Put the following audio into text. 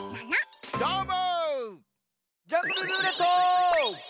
どーも！